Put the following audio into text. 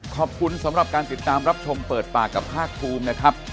ขอบคุณสำหรับการติดตามรับชมเปิดปากกับภาคภูมินะครับ